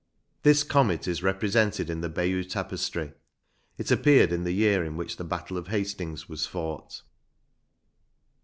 This comet is represented in the Bayeox ta pestry ; it appeared in the year in which the battle of Hastings was fought.